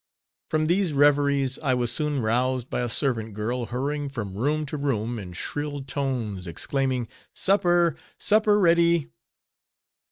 From these reveries I was soon roused, by a servant girl hurrying from room to room, in shrill tones exclaiming, "Supper, supper ready."